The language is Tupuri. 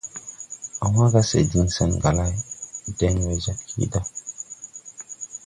Á wãã ga se diŋ sɛn ga lay, ɗen we jag kiida.